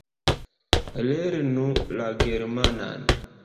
Lernu la germanan!